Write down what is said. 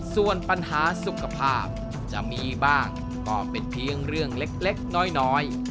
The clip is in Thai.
ส่วนปัญหาสุขภาพจะมีบ้างก็เป็นเพียงเรื่องเล็กน้อย